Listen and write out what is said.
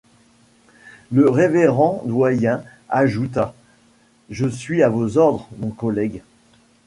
Le révérend doyen ajouta: — Je suis à vos ordres, mon collègue.